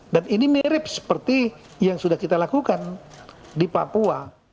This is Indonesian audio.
dan ini mirip seperti yang sudah kita lakukan di papua